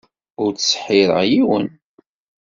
Ur ttseḥḥireɣ yiwen.